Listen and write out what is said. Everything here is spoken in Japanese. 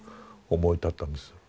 思い立ったんです。